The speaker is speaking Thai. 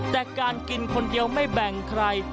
แต่การกินคนเดียวไม่แบ่งใคร